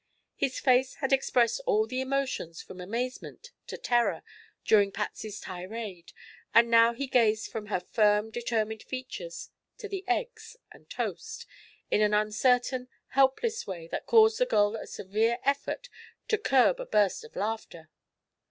His face had expressed all the emotions from amazement to terror during Patsy's tirade and now he gazed from her firm, determined features to the eggs and toast, in an uncertain, helpless way that caused the girl a severe effort to curb a burst of laughter.